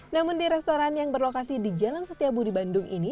namun di restoran yang berlokasi di jalan setiabudi bandung ini